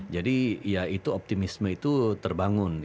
jadi ya itu optimisme itu terbangun